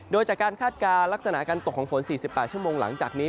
โดยจากการคาดการณ์ลักษณะการตกของฝน๔๘ชั่วโมงหลังจากนี้